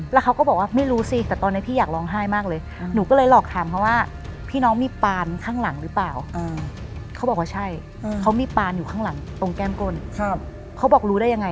แล้วเขาก็บอกว่าไม่รู้สิแต่ตอนนี้พี่อยากร้องไห้มากเลยหนูก็เลยหลอกถามเขาว่าพี่น้องมีปานข้างหลังหรือเปล่าเขาบอกว่าใช่เขามีปานอยู่ข้างหลังตรงแก้มก้นเขาบอกรู้ได้ยังไง